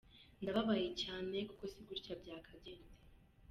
Ndababaye cyane kuko si gutya byakagenze.